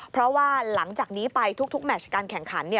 เพราะว่าหลังจากนี้ไปทุกแมชการแข่งขัน